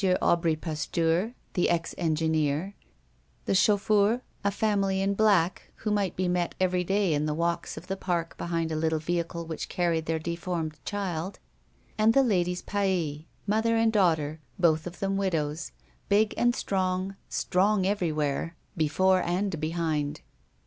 Aubry Pasteur, the ex engineer; the Chaufours, a family in black, who might be met every day in the walks of the park behind a little vehicle which carried their deformed child, and the ladies Paille, mother and daughter, both of them widows, big and strong, strong everywhere, before and behind.